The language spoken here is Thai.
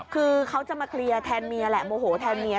คือเขาจะมาเคลียร์แทนเมียแหละโมโหแทนเมีย